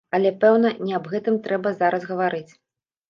Але, пэўна, не аб гэтым трэба зараз гаварыць.